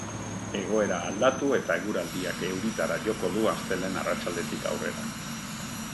Egoera aldatu eta eguraldiak euritara joko du astelehen arratsaldetik aurrera.